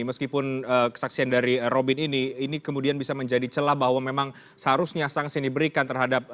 meskipun kesaksian dari robin ini ini kemudian bisa menjadi celah bahwa memang seharusnya sanksi yang diberikan terhadap